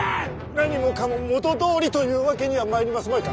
何もかも元どおりというわけにはまいりますまいか。